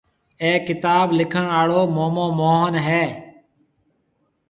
اَي ڪتآب لِکڻ آݪو مومو موهن هيَ۔